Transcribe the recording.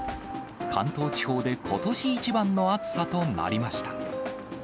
関東地方でことし一番の暑さとなりました。